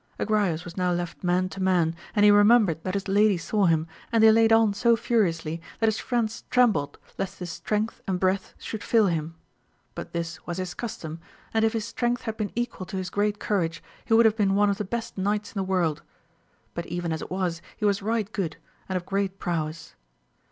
Agrayes was now left man to man, and he remembered that his lady saw him, and he laid on so furiously that his friends trembkd l<i&V bis Btrengtb and breath should faSSL\mxi ^ \$viX» >Qci& ^m 214 ' AMADIS OF GAlTL. his custom, and if his strength had been equal to his great courage, he would have been one of the best knights in the world ; but even as it was he was right good, and of great prowess.